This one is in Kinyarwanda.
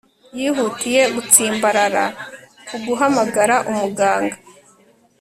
Yihutiye gutsimbarara ku guhamagara umuganga